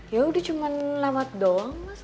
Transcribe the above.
ya udah cuma lambat doang mas